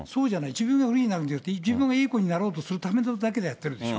自分が不利になるんじゃない、自分がいい子になろうとなるためにやってるでしょ。